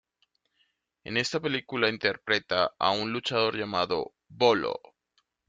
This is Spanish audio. En esta película interpreta a un luchador llamado "Bolo".